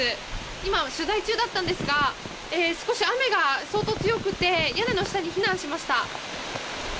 今、取材中だったんですが雨が相当強く降って屋根の下に避難しました。